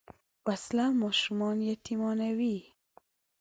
وسله ماشومان یتیمانوي